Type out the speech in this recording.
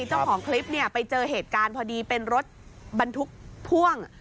เจ้าของคลิปเนี่ยไปเจอเหตุการณ์พอดีเป็นรถบรรทุกพ่วง